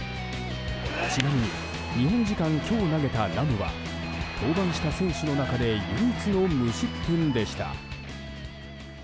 ちなみに日本時間、今日投げたラムは登板した選手の中で唯一の無失点でした。